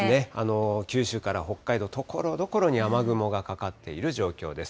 九州から北海道、ところどころに雨雲がかかっている状況です。